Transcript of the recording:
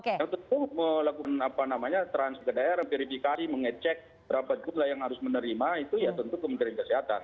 yang tentu melakukan transgedera verifikasi mengecek berapa jumlah yang harus menerima itu ya tentu kementerian kesehatan